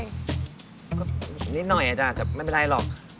ก็นิดหน่อยอาจจะไม่เป็นไรหรอก